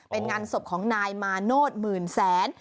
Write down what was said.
เป็นงานศพของนายมาโนธหมื่นแสน